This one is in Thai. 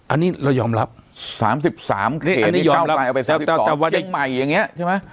อันนี้เรายอมรับ๓๓เกตนี้เก้าไกลเอาไป๓๒เชียงใหม่อย่างเนี้ยใช่ไหม